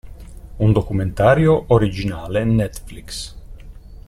Un documentario originale Netflix.